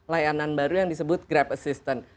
layanan baru yang disebut grab assistant